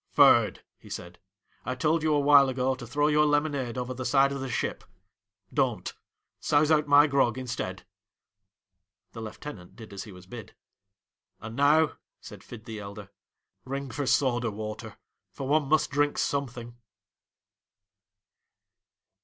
' Ferd !' he said, ' I told you awhile ago to throw your lemonade over the side of the Ship. Don't. Souse out my grog instead.' The lieutenant did as he was bid. 'And now,' said Fid the elder, 'ring for soda water ; for one must drink something?